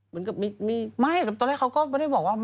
มันก็ไม่ไม่ตอนแรกเขาก็ไม่ได้บอกว่า